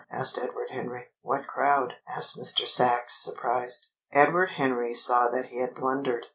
asked Edward Henry. "What crowd?" asked Mr. Sachs, surprised. Edward Henry saw that he had blundered.